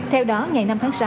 theo đó ngày năm tháng sáu